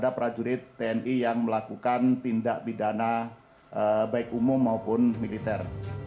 prajurit tni yang melakukan pidana baik umum maupun militer